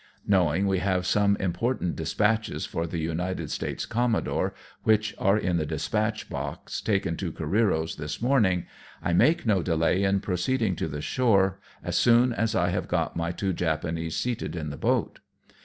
Knowing we have some important dispatches for the United States commodore, which are in the dispatch box taken to Careero's this morning, I make no delay in proceeding to the shore as soon as I have got my two Japanese seated in the boat.